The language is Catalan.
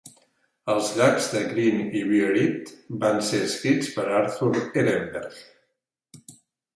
Els "gags" de Grin i Bear It van ser escrits per Arthur Erenberg.